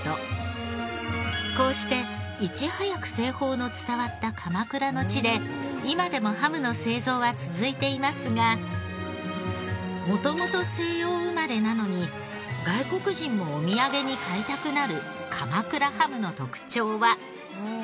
こうしていち早く製法の伝わった鎌倉の地で今でもハムの製造は続いていますが元々西洋生まれなのに外国人もお土産に買いたくなる鎌倉ハムの特徴は。